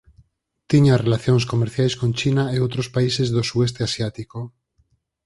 Tiña relacións comerciais con China e outros países do Sueste asiático.